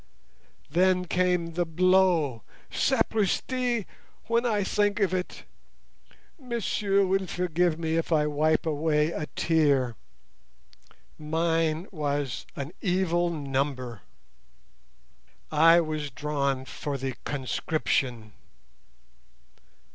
Then came the blow—sapristi!—when I think of it. Messieurs will forgive me if I wipe away a tear. Mine was an evil number; I was drawn for the conscription.